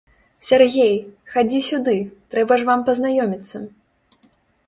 Сяргей, хадзі сюды, трэба ж вам пазнаёміцца.